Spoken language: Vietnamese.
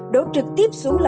đổ trực tiếp xuống lửa